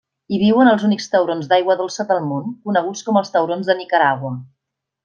Hi viuen els únics taurons d'aigua dolça del món, coneguts com els taurons de Nicaragua.